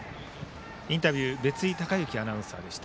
インタビュー別井敬之アナウンサーでした。